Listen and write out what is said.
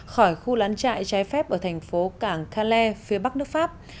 khỏi khu lán chạy trái phép ở thành phố cảng calais phía bắc nước pháp